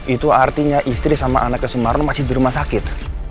itu artinya istri sama anaknya sumarno masih di rumah sakit